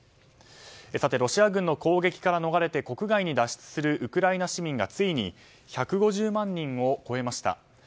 ロシア軍の攻撃から逃れて国外に脱出するウクライナ市民がついに１５０万人を超えました。